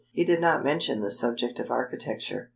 He did not mention the subject of architecture.